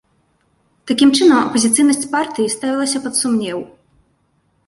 Такім чынам апазіцыйнасць партыі ставілася пад сумнеў.